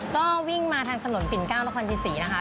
ก็วิ่งมาทางถนนปิ่น๙นครจิศรีนะคะ